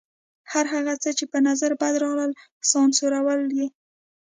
هر هغه څه چې په نظر بد راغلل سانسورول یې.